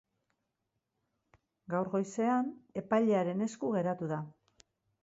Gaur goizean epailearen esku geratu da.